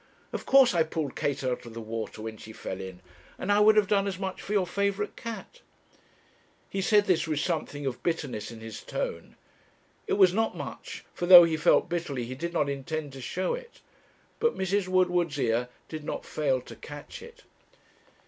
Of course I pulled Kate out of the water when she fell in; and I would have done as much for your favourite cat.' He said this with something of bitterness in his tone; it was not much, for though he felt bitterly he did not intend to show it; but Mrs. Woodward's ear did not fail to catch it.